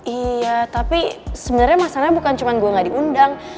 iya tapi sebenarnya masalahnya bukan cuma gue gak diundang